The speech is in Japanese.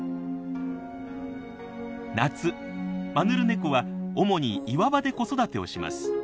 夏マヌルネコは主に岩場で子育てをします。